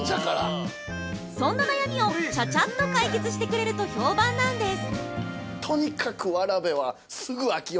そんな悩みをちゃちゃっと解決してくれると評判なんです。